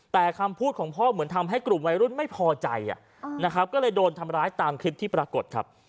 แต่คำพูดของพ่อเหมือนทำให้กลุ่มวัยรุ่นไม่พอใจนะครับก็เลยโดนทำร้ายตามคลิปที่ปรากฏครับ